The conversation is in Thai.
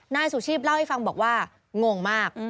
นายสุชีพเล่าให้ฟังบอกว่างงมาก